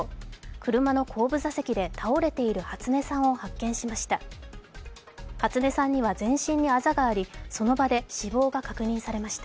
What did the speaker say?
車の後部座席で倒れている初音さんを発見しました。